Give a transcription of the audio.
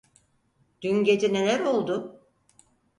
Dün gece neler oldu?